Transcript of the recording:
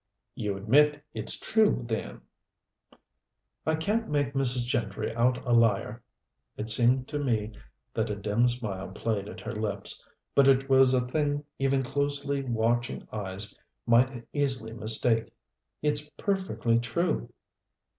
"You admit it's true, then?" "I can't make Mrs. Gentry out a liar." It seemed to me that a dim smile played at her lips; but it was a thing even closely watching eyes might easily mistake. "It's perfectly true."